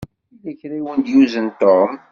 Yella kra i wen-d-yuzen Tom.